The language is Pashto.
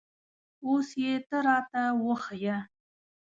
اوس یې ته را ته وښیه